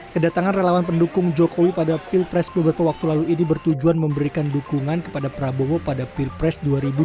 kedatangan relawan pendukung jokowi pada pilpres beberapa waktu lalu ini bertujuan memberikan dukungan kepada prabowo pada pilpres dua ribu dua puluh